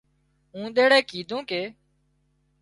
اونۮيڙي ڪيڌو ڪي